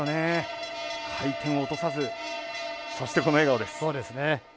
回転を落とさずそして、この笑顔です。